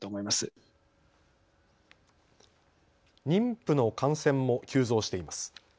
妊婦の感染も急増しています。